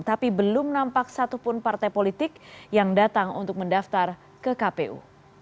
tapi belum nampak satupun partai politik yang datang untuk mendaftar ke kpu